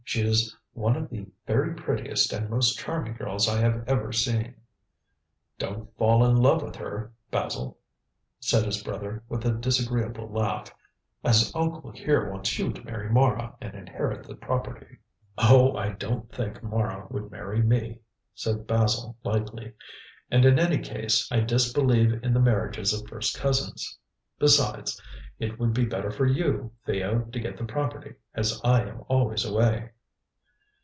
"She is one of the very prettiest and most charming girls I have ever seen." "Don't fall in love with her, Basil," said his brother, with a disagreeable laugh, "as uncle here wants you to marry Mara and inherit the property." "Oh, I don't think Mara would marry me," said Basil lightly. "And, in any case, I disbelieve in the marriages of first cousins. Besides, it would be better for you, Theo, to get the property, as I am always away."